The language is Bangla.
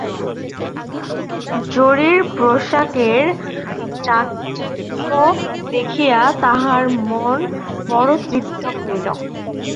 জরির পোশাকের চাকচিক্য দেখিয়া তাঁহার মন বড়ো তৃপ্ত হইল।